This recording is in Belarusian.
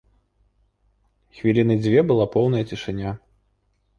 Хвіліны дзве была поўная цішыня.